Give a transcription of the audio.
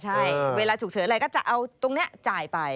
ใช่เวลาฉุกเฉินอะไรก็จะเอาตรงนี้จ่ายไป